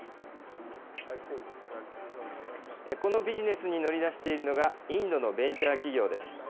このビジネスに乗り出しているのが、インドのベンチャー企業です。